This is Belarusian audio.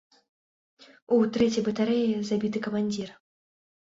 А ў трэцяй батарэі забіты камандзір.